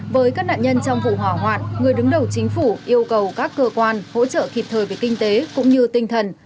với các nạn nhân trong vụ hỏa hoạt người đứng đầu chính phủ yêu cầu các cơ quan hỗ trợ kịp thời về kinh tế cũng như tinh thần